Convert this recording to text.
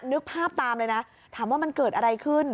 นึกภาพตามเลยนะถามว่ามันเกิดอะไรขึ้น